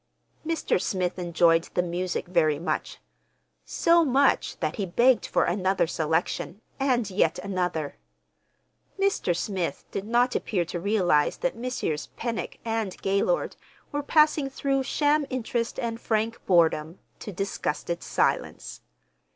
Mr. Smith enjoyed the music very much—so much that he begged for another selection and yet another. Mr. Smith did not appear to realize that Messrs. Pennock and Gaylord were passing through sham interest and frank boredom to disgusted silence.